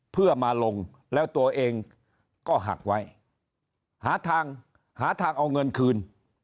เพื่อมาลงแล้วตัวเองก็หักไว้หาทางหาทางเอาเงินคืน